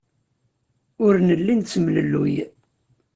Ur nelli nettemlelluy.